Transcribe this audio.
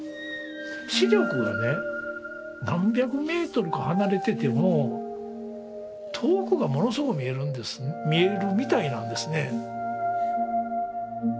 視力がね何百メートルか離れてても遠くがものすごく見えるみたいなんですね。